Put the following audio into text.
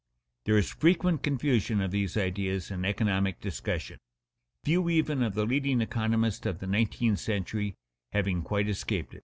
There is frequent confusion of these ideas in economic discussion, few even of the leading economists of the nineteenth century having quite escaped it.